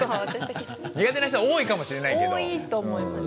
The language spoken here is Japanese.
苦手な人は多いかもしれないけど。